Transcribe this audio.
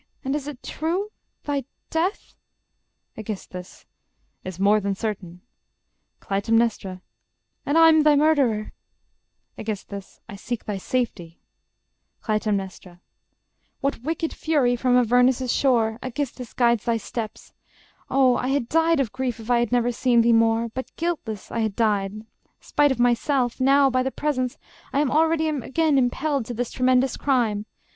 And is it true?... Thy death... Aegis. Is more than certain.... Cly. And I'm thy murderer!... Aegis. I seek thy safety. Cly. What wicked fury from Avernus' shore, Aegisthus, guides thy steps? Oh, I had died Of grief, if I had never seen thee more; But guiltless I had died: spite of myself, Now, by thy presence, I already am Again impelled to this tremendous crime...